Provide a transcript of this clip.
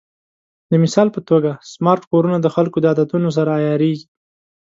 د مثال په توګه، سمارټ کورونه د خلکو د عادتونو سره عیارېږي.